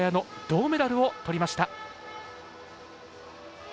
銅メダルをとりました。